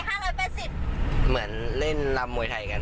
เหมือนเล่นล้ำมวยไทยกัน